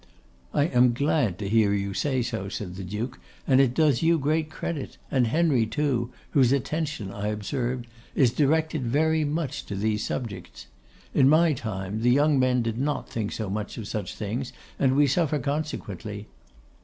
'I am glad to hear you say so,' said the Duke, 'and it does you great credit, and Henry too, whose attention, I observe, is directed very much to these subjects. In my time, the young men did not think so much of such things, and we suffer consequently.